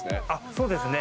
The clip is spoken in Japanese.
そうですね。